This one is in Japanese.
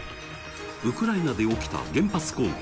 ウクライナで起きた原発攻撃。